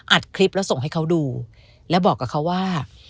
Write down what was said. อัดคลิปแล้วส่งให้เขาดูแล้วบอกกับเขาว่า